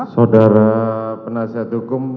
saudara penasihat hukum